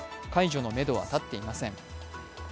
解除のめどは立っていません。